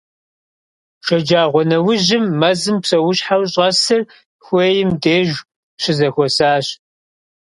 Шэджагъуэнэужьым мэзым псэущхьэу щӀэсыр хуейм деж щызэхуэсащ.